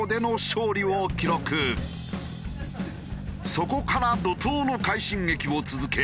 そこから怒濤の快進撃を続け